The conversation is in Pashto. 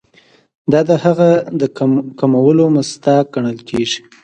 دا د هغه د کمولو مصداق ګڼل کیږي.